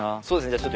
そうですね。